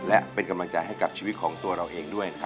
และเป็นกำลังใจให้กับชีวิตของตัวเราเองด้วย